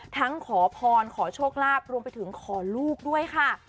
ขอพรขอโชคลาภรวมไปถึงขอลูกด้วยค่ะ